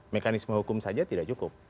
mekanisme hukum saja tidak cukup